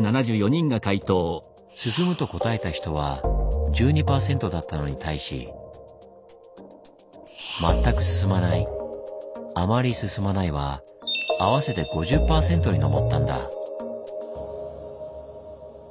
「進む」と答えた人は１２％だったのに対し「全く進まない」「あまり進まない」は合わせて５０％に上ったんだ。